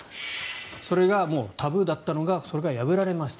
それがタブーだったのが破られました。